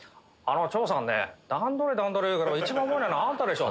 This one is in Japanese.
長さんね段取り段取り言うけど一番覚えないのあんたでしょ。